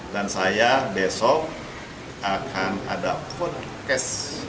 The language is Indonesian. dan saya besok akan ada podcast